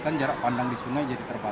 kan jarak pandang di sungai jadi terbatas